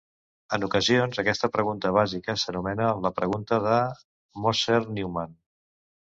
En ocasions, aquesta pregunta bàsica s'anomena la "pregunta de Moser-Neumann".